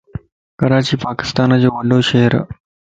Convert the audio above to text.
ڪراچي پاڪستانءَ جو وڏو شھر ا